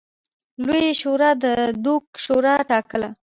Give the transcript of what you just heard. لویې شورا د دوک شورا ټاکله.